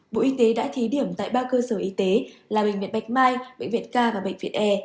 bộ y tế đã thí điểm tại ba cơ sở y tế là bệnh viện bạch mai bệnh viện ca và bệnh viện e